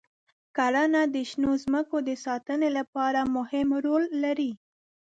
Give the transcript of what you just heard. کرنه د شنو ځمکو د ساتنې لپاره مهم رول لري.